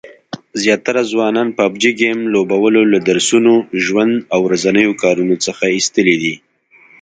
زیاتره ځوانان پابجي ګیم لوبولو له درسونو، ژوند او ورځنیو کارونو څخه ایستلي دي